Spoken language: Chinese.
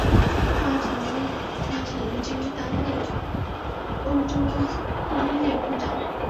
他曾经担任澳洲工业部长。